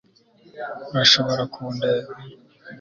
urashobora kundeba